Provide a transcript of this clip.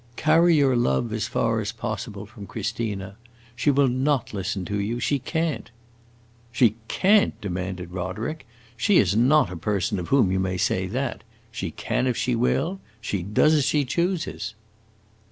"Carry your love as far as possible from Christina. She will not listen to you she can't." "She 'can't'?" demanded Roderick. "She is not a person of whom you may say that. She can if she will; she does as she chooses."